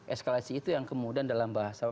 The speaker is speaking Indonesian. eskalasi itu yang kemudian dalam bahasa